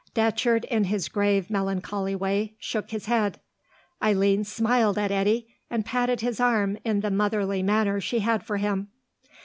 Datcherd, in his grave, melancholy way, shook his head. Eileen smiled at Eddy, and patted his arm in the motherly manner she had for him.